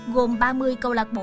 gồm ba mươi câu lạc bộ